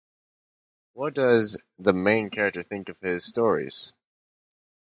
What does the main character think of his stories?